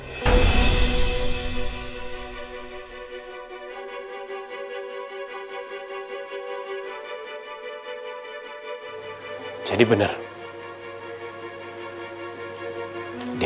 saya akan melakukan penyelidikan